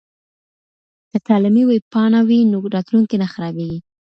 که تعلیمي ویبپاڼه وي نو راتلونکی نه خرابیږي.